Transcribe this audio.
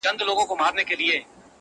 ځان وړوکی لکه سوی راته ښکاریږي!